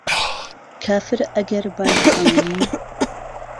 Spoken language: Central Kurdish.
کافر ئهگهر وای زانی